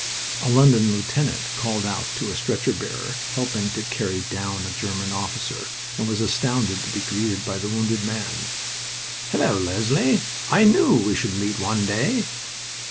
A London lieutenant called out to a stretcher bearer helping to carry down a German officer, and was astounded to be greeted by the wounded man. "Hullo, Leslie!... I knew we should meet one day."